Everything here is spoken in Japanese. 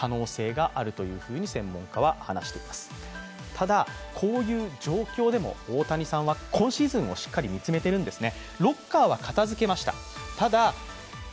ただ、こういう状況でも、大谷さんは今シーズンをしっかり見つめているんですね。